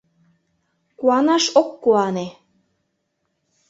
Куанаш ок куане.